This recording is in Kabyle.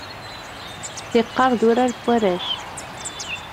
Tiqqar, d urar n warrac.